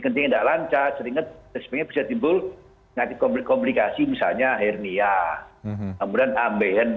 ketinggalan cat ringan resmi bisa timbul ngasih komplikasi misalnya hernia kemudian ambehen